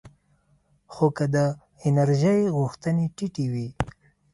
خو که د انرژۍ غوښتنې ټیټې وي